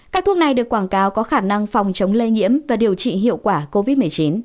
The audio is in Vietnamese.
các thuốc này được quảng cáo có khả năng phòng chống lây nhiễm và điều trị hiệu quả covid một mươi chín